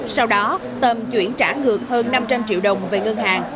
sau đó tâm chuyển trả ngược hơn năm trăm linh triệu đồng về ngân hàng